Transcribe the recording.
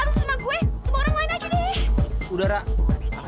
lo semua sengaja bikin dia mabok